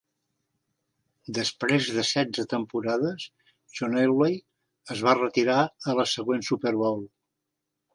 Després de setze temporades, John Elway es va retirar a la següent Super Bowl.